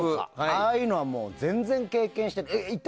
ああいうのは全然経験してない。